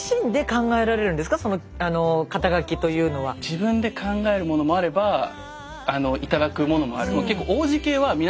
自分で考えるものもあれば頂くものもある。